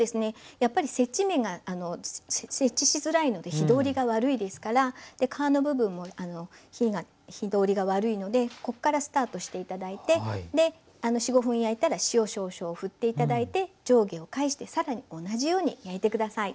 やっぱり接地面が接地しづらいので火通りが悪いですから皮の部分も火通りが悪いのでこっからスタートして頂いて４５分焼いたら塩少々ふって頂いて上下を返してさらに同じように焼いて下さい。